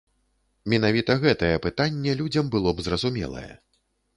Менавіта гэтае пытанне людзям было б зразумелае.